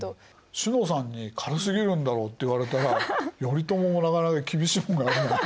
詩乃さんに軽すぎるんだろって言われたら頼朝もなかなか厳しいものがあるね。